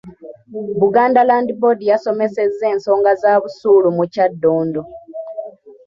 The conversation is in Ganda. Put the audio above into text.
Buganda Land Board yasomesezza ensonga za busuulu mu Kyaddondo.